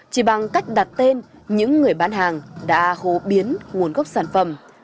chỉ bằng cách đặt tên những người bán hàng đã khố biến nguồn gốc sản phẩm